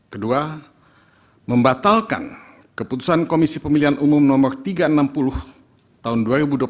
kedua membatalkan keputusan komisi pemilihan umum no tiga ratus enam puluh tahun dua ribu dua puluh satu